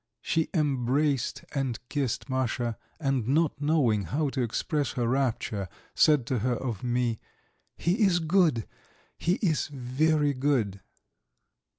She embraced and kissed Masha, and, not knowing how to express her rapture, said to her of me: "He is good! He is very good!"